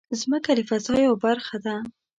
مځکه د فضا یوه برخه ده.